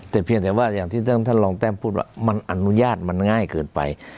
แต่เพียงแต่ว่าอย่างที่ท่านรองแต้มพูดว่ามันอนุญาตมันง่ายเกินไป